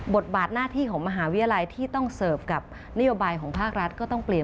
บทบาทหน้าที่ของมหาวิทยาลัยที่ต้องเสิร์ฟกับนโยบายของภาครัฐก็ต้องเปลี่ยน